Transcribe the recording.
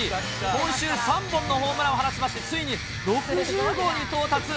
今週３本のホームランを放ちまして、ついに６０号に到達。